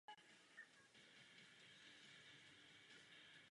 Sega vydává časopis Sega Vision.